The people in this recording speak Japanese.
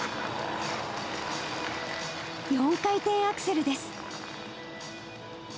４回転アクセルです。